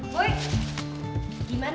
aduh lu kayak di kaos